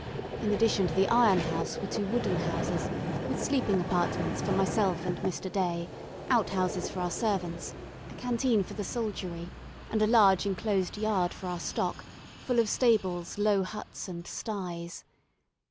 In addition to the iron house were two wooden houses, with sleeping apartments for myself and Mr. Day, out houses for our servants, a canteen for the soldiery, and a large enclosed yard for our stock, full of stables, low huts, and sties.